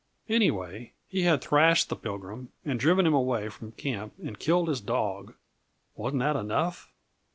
Anyway, he had thrashed the Pilgrim and driven him away from camp and killed his dog. Wasn't that enough?